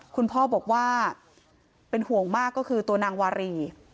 คุณพ่อบอกว่าเป็นห่วงมากก็คือตัวนางวารี